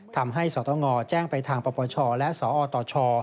ทำให้สตงแจ้งไปทางประปัชชอและสอตช